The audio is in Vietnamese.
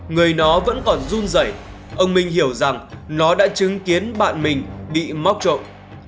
người nó vẫn còn run dẩy ông mình hiểu rằng nó đã chứng kiến bạn mình bị móc trộn